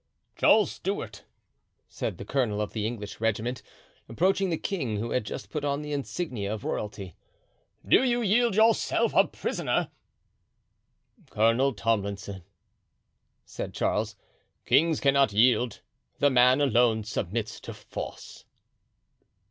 "Charles Stuart," said the colonel of the English regiment, approaching the king, who had just put on the insignia of royalty, "do you yield yourself a prisoner?" "Colonel Tomlison," said Charles, "kings cannot yield; the man alone submits to force."